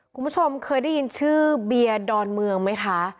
คุณผู้ชมเคยได้ยินชื่อเบียร์ดอนเมืองไหมคะ